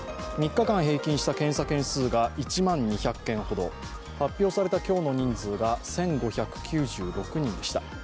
３日間平均した検査件数が１万２００件ほど発表された今日の人数が１５９６人でした。